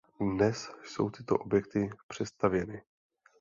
Dnes jsou tyto objekty přestavěny.